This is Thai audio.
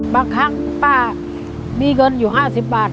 บางครั้งป้ามีเงินอยู่๕๐บาท